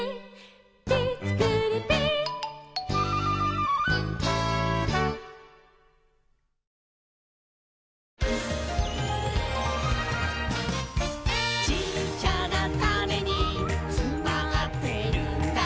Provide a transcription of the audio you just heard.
「ぴちくりぴい」「ちっちゃなタネにつまってるんだ」